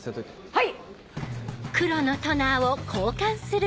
はい！